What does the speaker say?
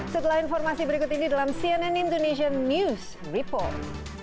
setelah informasi berikut ini dalam cnn indonesia news report